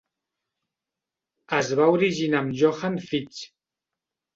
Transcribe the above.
Es va originar amb Johann Fichte.